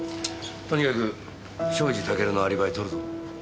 とにかく庄司タケルのアリバイ取るぞ。